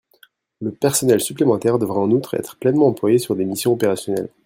Le personnel supplémentaire devra en outre être pleinement employé sur des missions opérationnelles.